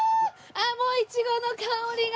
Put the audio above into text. ああもうイチゴの香りが。